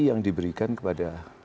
yang diberikan kepada